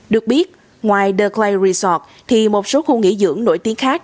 được biết ngoài the clay resort thì một số khu nghỉ dưỡng nổi tiếng khác